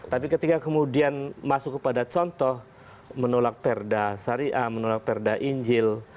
tapi ketika kemudian masuk kepada contoh menolak perda syariah menolak perda injil